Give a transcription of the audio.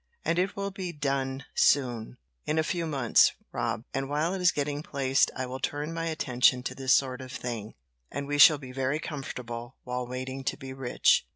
"And it will be done soon in a few months, Rob and while it is getting placed I will turn my attention to this sort of thing, and we shall be very comfortable while waiting to be rich.